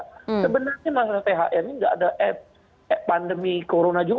sebenarnya masalah thr ini nggak ada pandemi corona juga